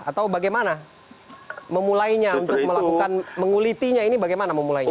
atau bagaimana memulainya untuk melakukan mengulitinya ini bagaimana memulainya